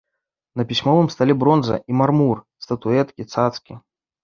На пісьмовым стале бронза і мармур, статуэткі, цацкі.